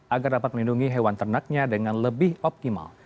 agar dapat melindungi hewan ternaknya dengan lebih optimal